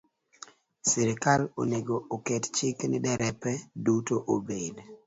Sirkal onego oket chik ni derepe duto obed